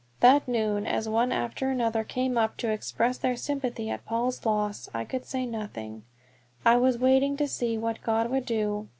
That noon, as one after another came up to express their sympathy at Paul's loss, I could say nothing I was waiting to see what God would do.